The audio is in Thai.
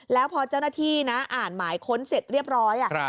แล้วพอเจ้าหน้าที่นะอ่านหมายค้นเสร็จเรียบร้อย